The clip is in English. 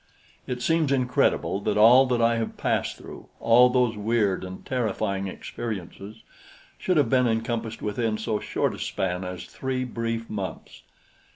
It seems incredible that all that I have passed through all those weird and terrifying experiences should have been encompassed within so short a span as three brief months.